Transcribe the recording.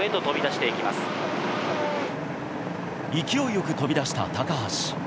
勢い良く飛び出した高橋。